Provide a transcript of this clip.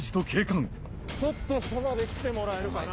ちょっと署まで来てもらえるかな。